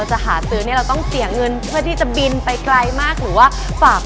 เพราะถ้าเราพูดถึงเรื่องของโนโตรกรรมความงามนะคะ